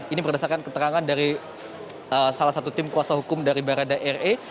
ini berdasarkan keterangan dari salah satu tim kuasa hukum dari barada re